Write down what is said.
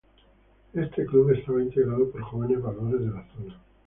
Este club estaba integrado por jóvenes valores de la zona.